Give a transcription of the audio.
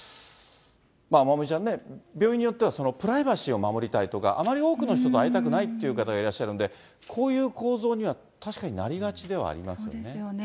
まおみちゃんね、病院によっては、プライバシーを守りたいとか、あまり多くの人と会いたくないという方がいらっしゃるんで、こういう構造には確かそうですよね。